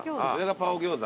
パオ餃子。